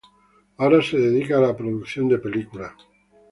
Ahora se dedica a la producción de películas